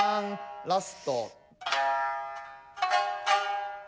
ラスト。